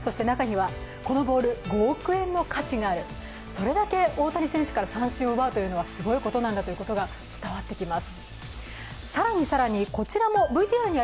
それだけ大谷選手から三振を奪うことがすごいことなんだと伝わってきます。